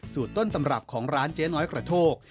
ต้นตำรับของร้านเจ๊น้อยกระโทก